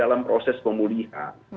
dalam proses pemulihan